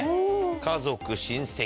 家族親戚。